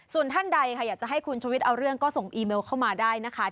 ส่วนท่านใดค่ะอยากจะให้คุณชวิตเอาเรื่องก็ส่งอีเมลเข้ามาได้นะคะ